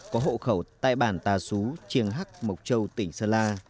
có hộ khẩu tại bản tà sú triềng h mộc châu tỉnh sơn la